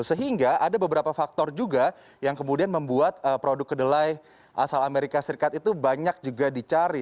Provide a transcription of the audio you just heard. sehingga ada beberapa faktor juga yang kemudian membuat produk kedelai asal amerika serikat itu banyak juga dicari